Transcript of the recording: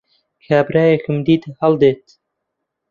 کابرایەکم دیت هەڵدێت